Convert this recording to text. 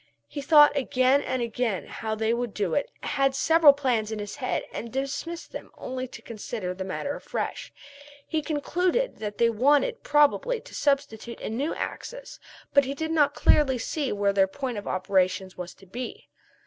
He thought again and again how they would do it and had several plans in his head and dismissed them only to consider the matter afresh. He concluded that they wanted probably to substitute a new axis, but he did not clearly see where their point of operations was to be.